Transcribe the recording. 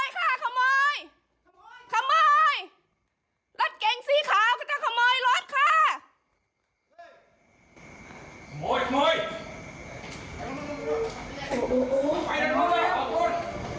จับคน